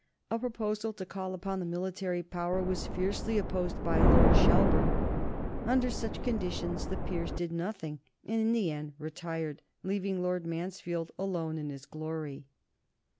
A proposal to call upon the military power was fiercely opposed by Lord Shelburne. Under such conditions the Peers did nothing, and in the end retired, leaving Lord Mansfield alone in his glory.